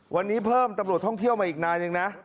วันนี้เพิ่มตำรวจท่องเที่ยวมาอีกนายหนึ่งนะ